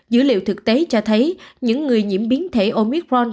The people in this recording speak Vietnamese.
dữ liệu thực tế cho thấy những người nhiễm biến thể omitron